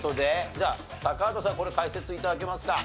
じゃあ高畑さんこれ解説頂けますか？